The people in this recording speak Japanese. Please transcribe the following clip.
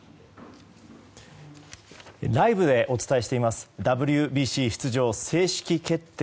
ライブでお伝えしていますＷＢＣ出場、正式決定